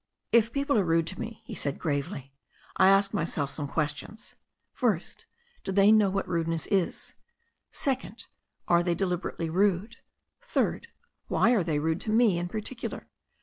"If people are rude to me," he said gravely, "I ask myself some questions. First, do they know what rudeness is; second, are they deliberately rude; third, why are they rude to me in particular?